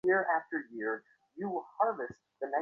বাড়িতে হতে পারে।